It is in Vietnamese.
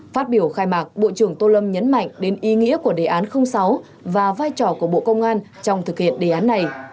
phát biểu khai mạc bộ trưởng tô lâm nhấn mạnh đến ý nghĩa của đề án sáu và vai trò của bộ công an trong thực hiện đề án này